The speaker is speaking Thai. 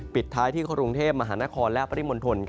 ปิดท้ายที่กรุงเทพมหานครและปริมณฑล